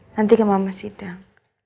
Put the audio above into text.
nanti ke mama sidang